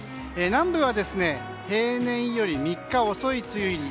南部は平年より３日遅い梅雨入り。